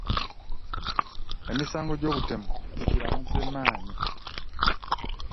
Emisango gy'obutemu tugiramuze maanyi.